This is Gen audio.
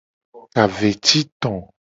Ka ve ci to.